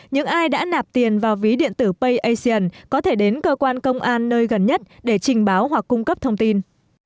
những ai đã nạp tiền vào ví điện tử payasian có thể đến cơ quan công an nơi gần nhất để trình báo hoặc cung cấp thông tin